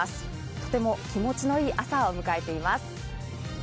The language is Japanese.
とても気持ちのいい朝を迎えています。